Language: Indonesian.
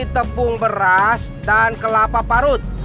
terbuat dari tepung beras dan kelapa parut